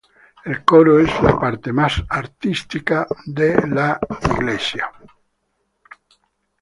El coro es la parte más artística de la iglesia.